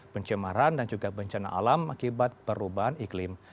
pencemaran dan juga bencana alam akibat perubahan iklim